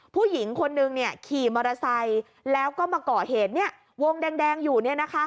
ผู้หญิงคนนึงขี่มอเตอร์ไซค์แล้วก็มาก่อเหตุวงแดงอยู่